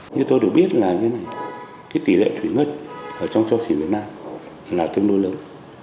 như tôi đều biết là tỷ lệ thủy ngân trong cho xỉ việt nam là tương đối lớn